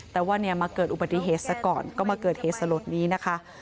แต่ว่าเนี่ยมาเกิดอุบัติเหตุซะก่อนก็มาเกิดเหตุสลดนี้นะคะ